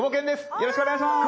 よろしくお願いします。